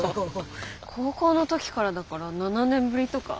高校の時からだから７年ぶりとか？